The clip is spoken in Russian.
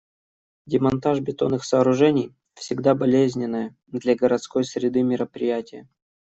Демонтаж бетонных сооружений — всегда болезненное для городской среды мероприятие.